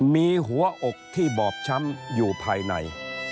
มีหัวอกที่บอบช้ำอยู่ภายใน